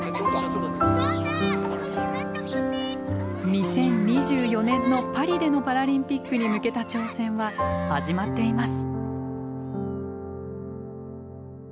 ２０２４年のパリでのパラリンピックに向けた挑戦は始まっています。